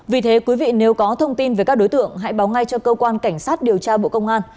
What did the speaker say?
vì thế quý vị nếu có thông tin về các đối tượng hãy báo ngay cho cơ quan cảnh sát điều tra bộ công an